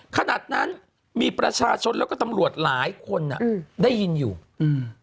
ขนาดนั้นมีประชาชนแล้วก็ตำรวจหลายคนอ่ะอืมได้ยินอยู่อืม